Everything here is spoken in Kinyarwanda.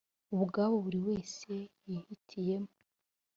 ubwabo buri wese yihitiyemo